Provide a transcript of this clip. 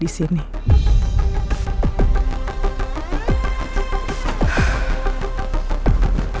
dari anjuran dekat